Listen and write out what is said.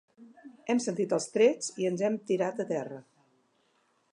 Hem sentit els trets i ens hem tirat a terra.